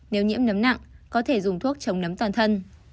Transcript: nếu nhiễm nấm nặng có thể dùng thuốc chống nấm toàn thân